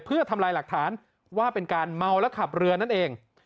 เพื่อทำลายหลักฐานว่าเป็นการเมาและขับเรือนั่นเอง